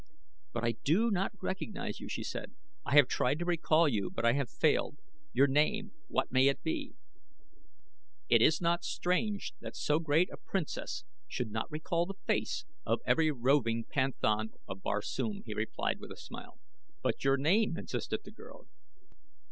"But I do not recognize you," she said. "I have tried to recall you, but I have failed. Your name, what may it be?" "It is not strange that so great a princess should not recall the face of every roving panthan of Barsoom," he replied with a smile. "But your name?" insisted the girl.